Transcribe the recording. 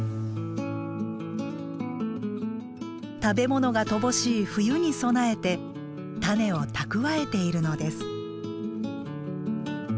食べ物が乏しい冬に備えて種を蓄えているのです。